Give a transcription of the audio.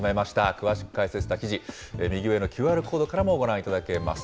詳しく解説した記事、右上のＱＲコードからもご覧いただけます。